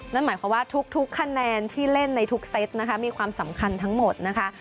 นั่นหมายความว่าทุกคะแนนที่เล่นในทุกเซตนะคะมีความสำคัญทั้งหมดนะคะ